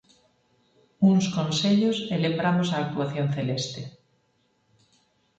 Uns consellos e lembramos a actuación celeste.